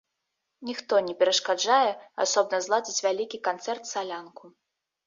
Ніхто не перашкаджае асобна зладзіць вялікі канцэрт-салянку.